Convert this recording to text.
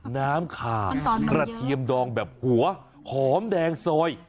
น้ำขากระเทียมดองแบบหัวหอมแดงซอย